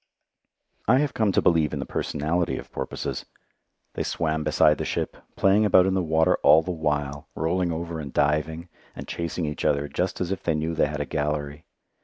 I have come to believe in the personality of porpoises. They swam beside the ship, playing about in the water all the while, rolling over and diving, and chasing each other just as if they knew they had a "gallery."